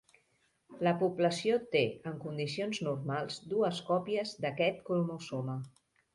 La població té, en condicions normals, dues còpies d'aquest cromosoma.